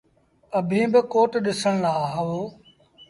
اڀيٚن با ڪوٽ ڏسڻ لآ آئو۔